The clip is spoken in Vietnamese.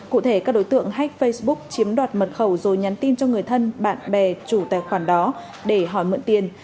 cụ thể các đối tượng hách facebook chiếm đoạt mật khẩu rồi nhắn tin cho người thân bạn bè chủ tài khoản đó để hỏi mượn tiền